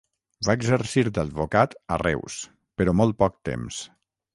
Va exercir d'advocat a Reus, però molt poc temps.